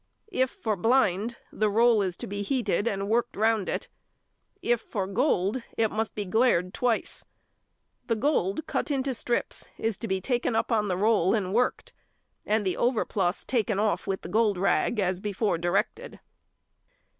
If for blind, the roll is to be heated and worked round it; if for gold, it must be glaired twice. The gold, cut into strips, is to be taken up on the roll and worked, and the overplus taken off with the gold rag as before directed.